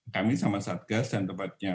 kami sama satgas dan tempatnya